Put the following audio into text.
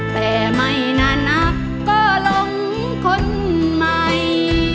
แต่ไม่นานนักก็หลงคนใหม่